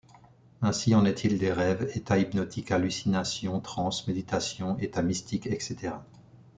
Ainsi en est-il des rêves, états hypnotiques, hallucinations, transe, méditation, états mystiques, etc.